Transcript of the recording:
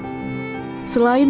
selain mengerjakan perusahaan